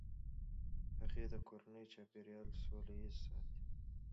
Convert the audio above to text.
هغې د کورني چاپیریال سوله ایز ساتي.